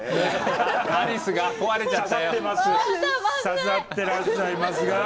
刺さってらっしゃいますが。